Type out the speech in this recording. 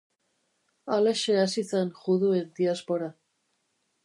Halaxe hasi zen juduen diaspora.